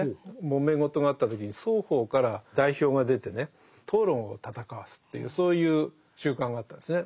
もめ事があった時に双方から代表が出てね討論を戦わすっていうそういう習慣があったんですね。